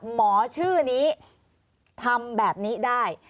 หมอชื่อนี้ทำแบบนี้ได้